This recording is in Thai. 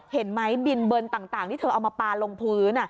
เห็นไหมบินเบิร์นต่างที่เธอเอามาปลาลงพื้น